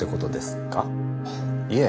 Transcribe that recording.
いえ。